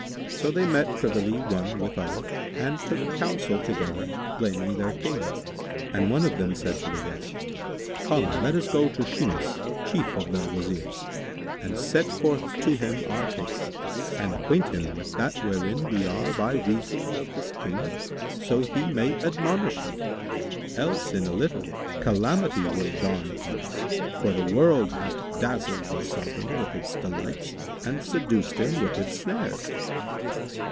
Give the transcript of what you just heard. So they met privily one with other and took counsel together blaming their King, and one of them said to the rest, "Come, let us go to Shimas, Chief of the Wazirs, and set forth to him our case and acquaint him with that wherein we are by reason of this King, so he may admonish him; else, in a little, calamity will dawn upon us, for the world hath dazzled the Sovran with its delights and seduced him with its snares."